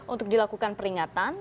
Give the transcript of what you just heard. untuk dilakukan peringatan